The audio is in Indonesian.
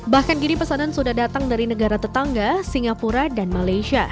bahkan gini pesanan sudah datang dari negara tetangga singapura dan malaysia